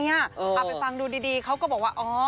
เอาไปฟังดูดีเขาก็บอกว่า